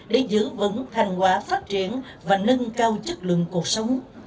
để giữ vững thành quả phát triển và nâng cao chất lượng cuộc sống